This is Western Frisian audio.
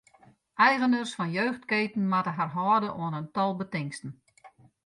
Eigeners fan jeugdketen moatte har hâlde oan in tal betingsten.